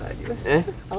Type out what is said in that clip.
えっ？